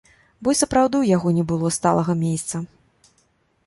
Бо і сапраўды ў яго не было сталага мейсца.